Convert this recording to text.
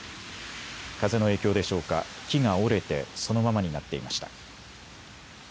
風の影響でしょうか、木が折れてそのままになっていました。